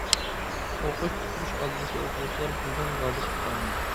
ئوقۇش پۈتتۈرۈش ئالدىدىكى ئوقۇغۇچىلار: بۈگۈن بالدۇر ئۇخلايمەن.